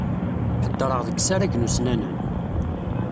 Ḥeddṛeɣ deg yisaragen ussnanen.